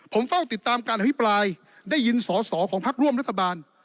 ผมเฝ้าติดตามการอภิปรายได้ยินสอสอของพักร่วมรัฐบาล